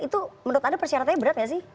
itu menurut anda persyaratannya berat nggak sih